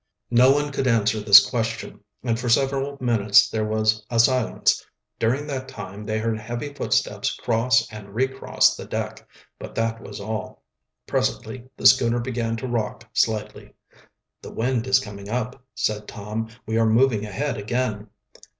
No one could answer this question, and for several minutes there was a silence. During that time they heard heavy footsteps cross and recross the deck, but that was all. Presently the schooner began to rock slightly. "The wind is coming up," said Tom. "We are moving ahead again."